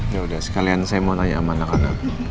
ya udah sekalian saya mau nanya sama anak anak